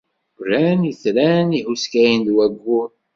Ran itran-nni ihuskayen ed wayyur.